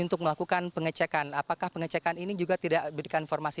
untuk melakukan pengecekan apakah pengecekan ini juga tidak berikan informasi